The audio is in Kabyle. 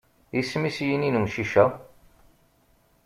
Isem-is yini n umcic-a?